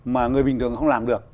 mà người bình thường không làm được